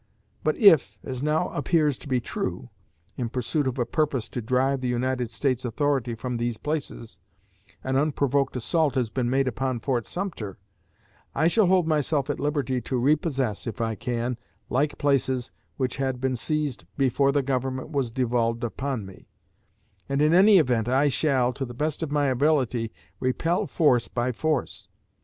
But if, as now appears to be true, in pursuit of a purpose to drive the United States authority from these places, an unprovoked assault has been made upon Fort Sumter, I shall hold myself at liberty to repossess, if I can, like places which had been seized before the Government was devolved upon me; and in any event I shall, to the best of my ability, repel force by force.